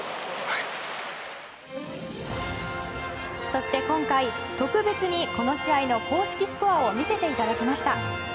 そして今回、特別にこの試合の公式スコアを見せていただきました。